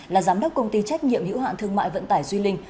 là giám đốc công ty trách nhiệm hữu hạn thương mại vận tải duy linh